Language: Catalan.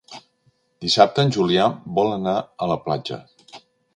Dissabte en Julià vol anar a la platja.